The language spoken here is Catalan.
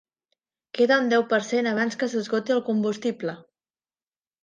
Queda un deu per cent abans que s'esgoti el combustible.